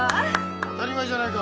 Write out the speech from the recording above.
当たり前じゃないか。